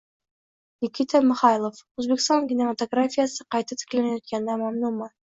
Nikita Mixalkov: O‘zbekiston kinematografiyasi qayta tiklanayotganidan mamnunman